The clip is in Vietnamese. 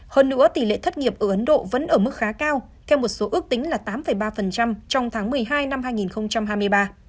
hơn nữa tỷ lệ thất nghiệp ở ấn độ vẫn ở mức khá cao theo một số ước tính là tám ba trong tháng một mươi hai năm hai nghìn hai mươi ba